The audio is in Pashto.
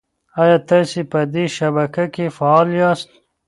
ایا تاسي په دې شبکه کې فعال یاست؟